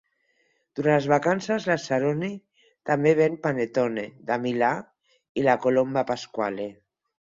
Durant les vacances, Lazzaroni també ven panettone de Milà i la "Colomba Pasquale".